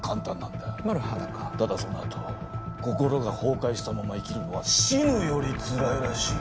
ただそのあと心が崩壊したまま生きるのは死ぬよりつらいらしい。